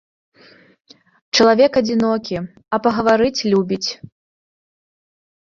Чалавек адзінокі, а пагаварыць любіць.